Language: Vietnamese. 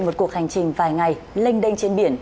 một cuộc hành trình vài ngày lênh đênh trên biển